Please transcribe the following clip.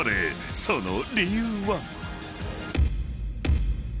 その理由は］